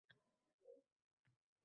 Talabalar nima deydi?